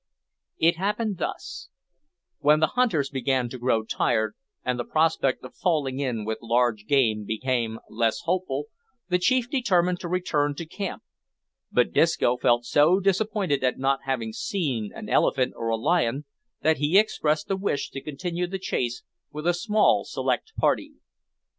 It happened thus: When the hunters began to grow tired, and the prospect of falling in with large game became less hopeful, the chief determined to return to camp; but Disco felt so disappointed at not having seen an elephant or a lion, that he expressed a wish to continue the chase with a small select party.